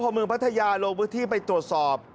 กรุศเมืองปัทยาโรงพฤษฐีไปตรวจสอบ